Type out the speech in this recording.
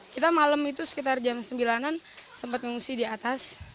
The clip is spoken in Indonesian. kita malam itu sekitar jam sembilanan sempat ngungsi di atas